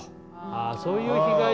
あそういう被害者。